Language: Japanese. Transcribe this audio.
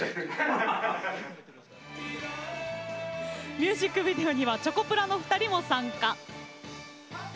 ミュージックビデオにはチョコプラの２人も参加。